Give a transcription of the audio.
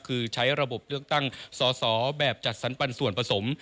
คือใช้ระบบเลือกตั้งสอสอแบบจัดสรรปันส่วนผสม